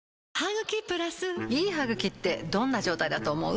いい歯ぐきってどんな状態だと思う？